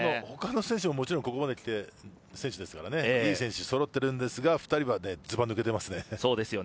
他の選手ももちろんここまできた選手ですからいい選手が揃っているんですが２人は、ずば抜けていますね。